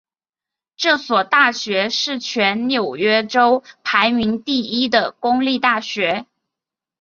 这所大学是全纽约州排名第一的公立大学。